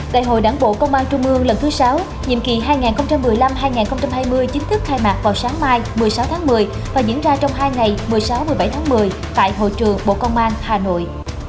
đại hội đảng bộ công an trung ương lần thứ sáu nhiệm kỳ hai nghìn một mươi năm hai nghìn hai mươi chính thức khai mạc vào sáng mai một mươi sáu tháng một mươi và diễn ra trong hai ngày một mươi sáu một mươi bảy tháng một mươi tại hội trường bộ công an hà nội